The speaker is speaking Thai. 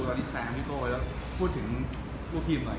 แล้วก็เกมยังไม่จบนะครับยังมีเกมในบ้าน